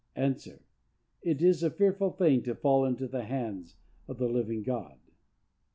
—A. "It is a fearful thing to fall into the hands of the living God."